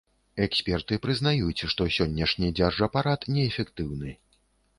Эксперты прызнаюць, што сённяшні дзяржапарат неэфектыўны.